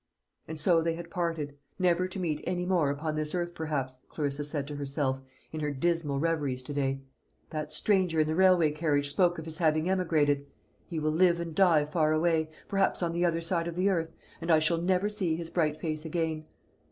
And so they had parted; never to meet any more upon this earth perhaps, Clarissa said to herself, in her dismal reveries to day. "That stranger in the railway carriage spoke of his having emigrated. He will live and die far away, perhaps on the other side of the earth, and I shall never see his bright face again.